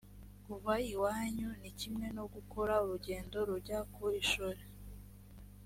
kuva iwanyu ni kimwe no gukora urugendo rujya ku ishuri